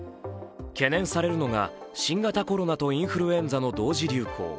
懸念されるのが新型コロナとインフルエンザの同時流行。